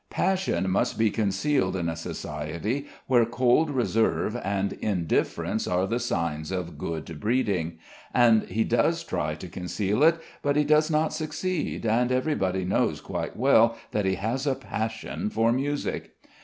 Passion must be concealed in a society where cold reserve and indifference are the signs of good breeding. And he does try to conceal it, but he does not succeed, and everybody knows quite well that he has a passion for music.